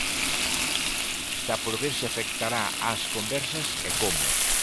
Está por ver se afectará as conversas e como.